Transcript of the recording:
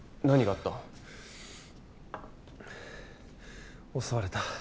何があった？